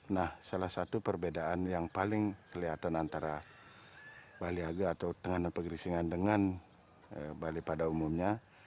nah salah satu perbedaan yang paling kelihatan antara bali aga atau tenganan pegerisingan dengan bali pada umumnya